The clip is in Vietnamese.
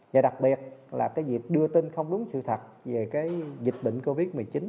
và đặc biệt là việc đưa tin không đúng sự thật về dịch bệnh covid một mươi chín